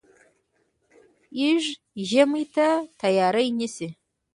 يږ ژمي ته تیاری نیسي.